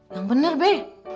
yang bener be